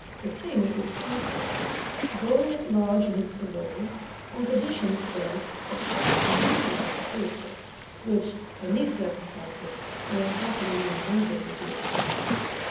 The King is conquered; going at large on his parole; on condition, say, of absolutely good behaviour,—which, in these circumstances, will unhappily mean no behaviour whatever.